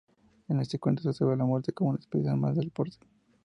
En este cuento, se observa la muerte como una especialidad más del deporte.